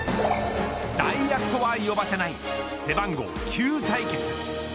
代役とは呼ばせない背番号９対決。